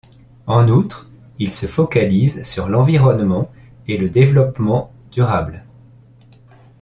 En outre, il se focalise sur l'environnement et le développement durable.